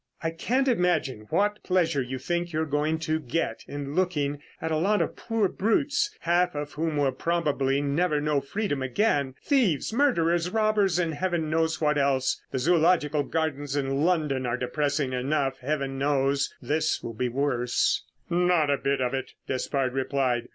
"I can't imagine what pleasure you think you're going to get in looking at a lot of poor brutes, half of whom will probably never know freedom again: thieves, murderers, robbers, and heaven knows what else. The Zoological Gardens in London are depressing enough, heavens knows; this will be worse." "Not a bit of it," Despard replied.